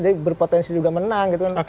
mungkin potensi juga menang gitu kan